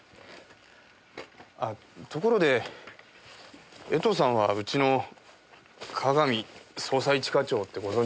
あっところで江藤さんはうちの加賀見捜査一課長ってご存じですか？